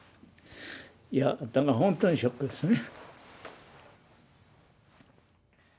だから本当にショックですね。